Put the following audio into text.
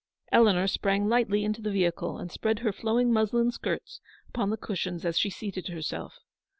Eleanor sprang lightly into the vehicle, and spread her flowing muslin skirts upon the cushions as she seated herself.